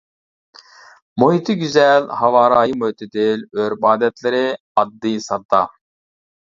مۇھىتى گۈزەل، ھاۋا رايى مۆتىدىل، ئۆرپ-ئادەتلىرى ئاددىي-ساددا.